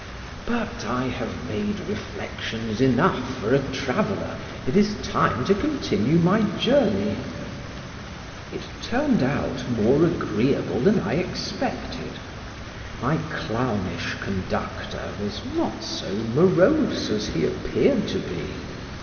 But I have made reflections enough for a traveller, it is time to continue my journey. It turned out more agreeable than I expected: my clownish conductor was not so morose as he appeared to be.